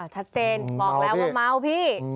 ชัดเจนบอกแล้วว่าเมาพี่